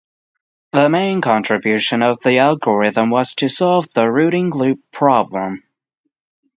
The main contribution of the algorithm was to solve the routing loop problem.